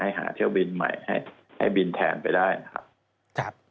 หาเที่ยวบินใหม่ให้บินแทนไปได้นะครับ